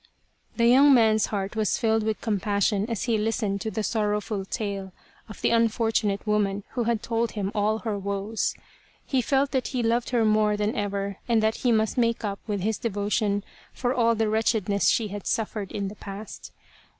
The young man's heart was filled with compassion as he listened to the sorrowful tale of the unfortunate woman, who had told him all her woes. He felt that he loved her more than ever and that he must make up with his devotion for all the wretched ness she had suffered in the past.